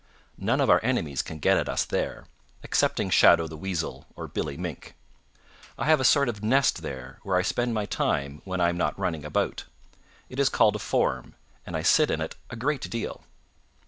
None of our enemies can get at us there, excepting Shadow the Weasel or Billy Mink. I have a sort of nest there where I spend my time when I am not running about. It is called a form and I sit in it a great deal."